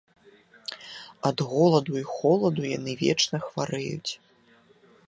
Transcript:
Ад голаду і холаду яны вечна хварэюць.